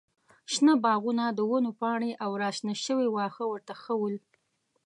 شنه باغونه، د ونو پاڼې او راشنه شوي واښه ورته ښه ول.